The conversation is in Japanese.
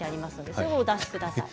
そちらをお出しください。